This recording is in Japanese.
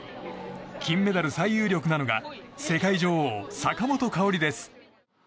金メダル最有力なのが世界女王・坂本花織です。